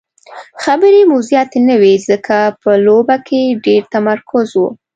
خبرې مو زیاتې نه وې ځکه په لوبه کې ډېر تمرکز وو.